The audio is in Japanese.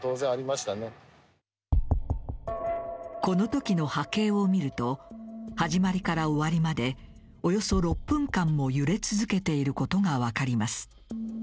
この時の波形を見ると始まりから終わりまでおよそ６分間も揺れ続けていることが分かります。